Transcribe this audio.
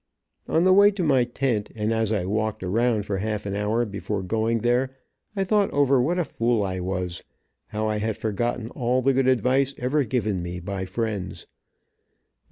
On the way to my tent, and as I walked around for half an hour before going there, I thought over what a fool I was, how I had forgotten all the good advice ever given me by my friends.